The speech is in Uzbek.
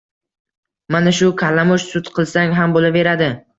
Mana shu kalamush sud qilsang ham bo‘laveradi.